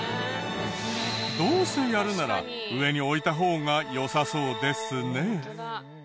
どうせやるなら上に置いた方がよさそうですね。